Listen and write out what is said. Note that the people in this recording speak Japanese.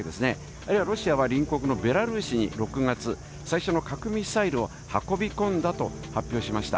あるいはロシアは隣国のベラルーシに６月、最初の核ミサイルを運び込んだと発表しました。